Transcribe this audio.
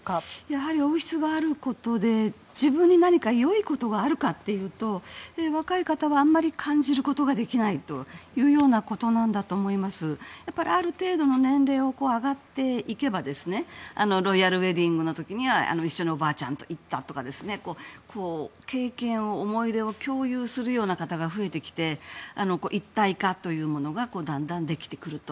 やはり王室があることで自分に何か良いことがあるかっていうと若い方はあんまり感じることができないということなんだともやっぱり、ある程度年齢が上がっていけばロイヤルウェディングの時には一緒におばあちゃんと行ったとか経験、思い出を共有する方が増えてきて一体化というものがだんだんできてくると。